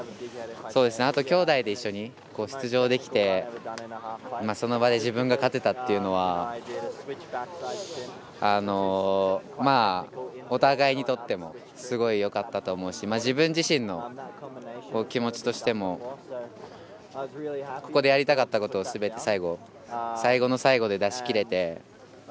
あと、兄弟で一緒に出場できてその場で自分が勝てたというのはお互いにとってもすごいよかったと思うし自分自身の気持ちとしてもここでやりたかったことを最後、すべて最後の最後で出しきれて。